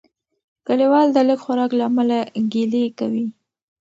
کلیوال د لږ خوراک له امله ګیلې کوي.